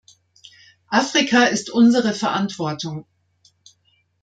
Afrika ist unsere Verantwortung.